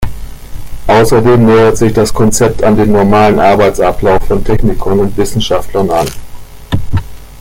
Außerdem nähert sich das Konzept an den normalen Arbeitsablauf von Technikern und Wissenschaftlern an.